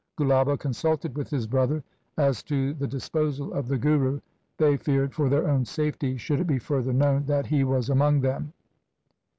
Gulaba consulted with his brother as to the disposal of the Guru. They feared for their own safety should it be further known that he was among them.